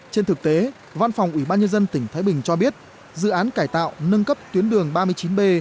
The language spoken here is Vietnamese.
trên thực tế văn phòng ủy ban nhân dân tỉnh thái bình cho biết dự án cải tạo nâng cấp tuyến đường ba mươi chín b